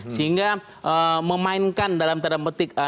sehingga memainkan dalam tanda petik